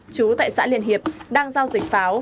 chú tại xã liên hiệp đang giao dịch pháo